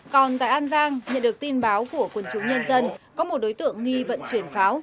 còn tại an giang nhận được tin báo của quân chủ nhân dân có một đối tượng nghi vận chuyển pháo